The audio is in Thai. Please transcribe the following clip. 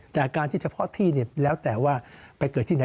แต่การที่เฉพาะที่เนี่ยแล้วแต่ว่าไปเกิดที่ไหน